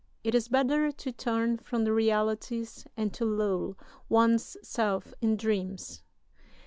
It is better to turn from the realities and to lull one's self in dreams.